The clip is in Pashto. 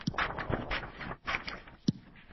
زه يو له هغو کسانو وم چې پخوا مې هم غني نقد کړی و.